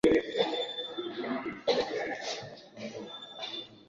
Uhamasishwaji au Elimu kwa umma kuhusu ugonjwa